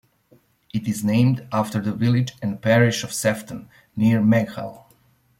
It is named after the village and parish of Sefton, near Maghull.